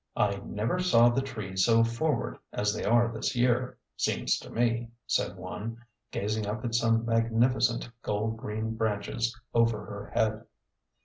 " I never saw the trees so forward as they are this year, seems to me," said one, gazing up at some magnificent gold green branches over her head.